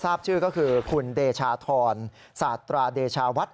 ทราบชื่อก็คือคุณเดชาธรสาตราเดชาวัด